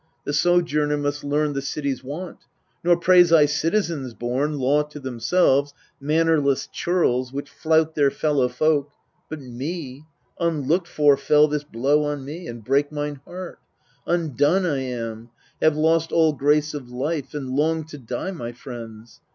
The sojourner must learn the city's wont ; Nor praise I citizens born, law to themselves, Mannerless churls, which flout their fellow folk. But me unlooked for fell this blow on me, And brake mine heart. Undone I am ; have lost All grace of life, and long to die, my friends.